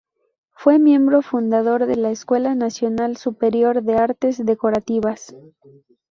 Fue miembro fundador de la Escuela nacional superior de artes decorativas.